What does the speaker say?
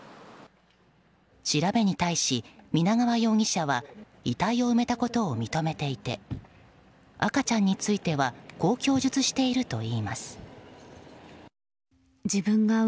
調べに対し皆川容疑者は遺体を埋めたことを認めていて赤ちゃんについてはこう供述しているといいます。